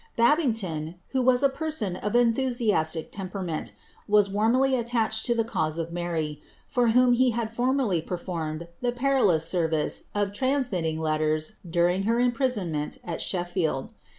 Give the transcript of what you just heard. ^jbtngton, who was a person of enthusiastic temperament, was warmly ailaclieil to the cau^e uf Mary, for whom he had formerly performciJ the perilous sen ice of itausmil ling letters during her imprisonment al Shellield.